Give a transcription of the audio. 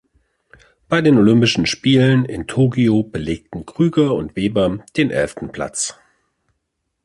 Bei den Olympischen Spielen in Tokio belegten Krüger und Weber den elften Platz.